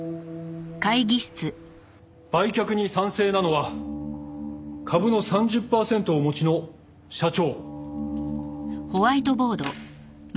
売却に賛成なのは株の３０パーセントをお持ちの社長。